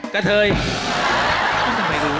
ต้องทำให้รู้